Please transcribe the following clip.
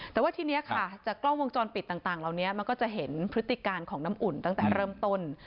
แต่ว่าทีนี้ค่ะจากกล้องวงจรปิดต่างเหล่านี้มันก็จะเห็นพฤติการของน้ำอุ่นตั้งแต่เริ่มต้น